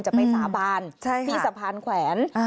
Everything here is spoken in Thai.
จะไปสาบานที่สะพานแขวน